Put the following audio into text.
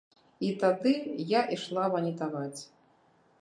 І тады я ішла ванітаваць.